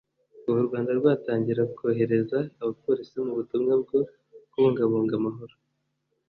Kuva u Rwanda rwatangira kohereza abapolisi mu butumwa bwo kubungabunga amahoro